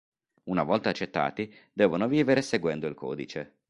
Una volta accettati devono vivere seguendo il codice.